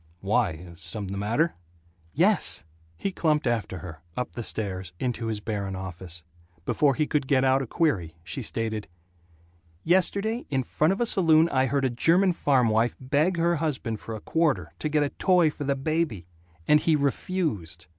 "Why something the matter?" "Yes!" He clumped after her, up the stairs, into his barren office. Before he could get out a query she stated: "Yesterday, in front of a saloon, I heard a German farm wife beg her husband for a quarter, to get a toy for the baby and he refused.